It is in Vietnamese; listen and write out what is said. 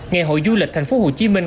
ngày hội du lịch thành phố hồ chí minh